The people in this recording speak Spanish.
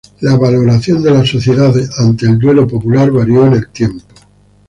La valoración de la sociedad ante el duelo popular varió en el tiempo.